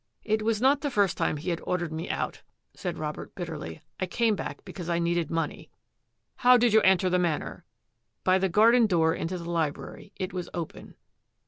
" It was not the first time he had ordered me out," said Robert bitterly. " I came back because I needed money." " How did you enter the Manor? "" By the garden door into the library ; it was open."